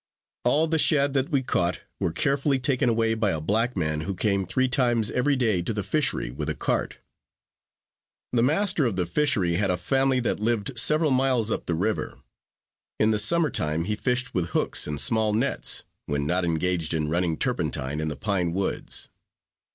All the shad that we caught, were carefully taken away by a black man, who came three times every day to the fishery, with a cart. The master of the fishery had a family that lived several miles up the river. In the summer time, he fished with hooks, and small nets, when not engaged in running turpentine, in the pine woods.